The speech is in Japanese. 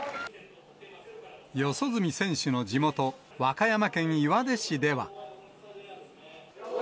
四十住選手の地元、和歌山県岩出市では。